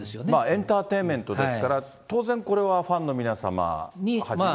エンターテインメントですから、当然、これはファンの皆様はじめ。